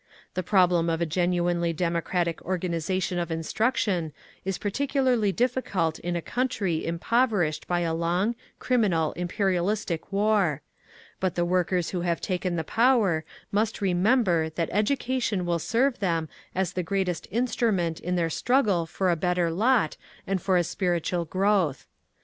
The problem of a genuinely democratic organisation of instruction is particularly difficult in a country impoverished by a long, criminal, imperialistic war; but the workers who have taken the power must remember that education will serve them as the greatest instrument in their struggle for a better lot and for a spiritual growth.